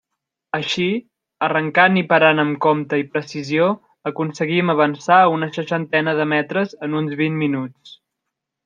Així, arrencant i parant amb compte i precisió aconseguim avançar una seixantena de metres en uns vint minuts.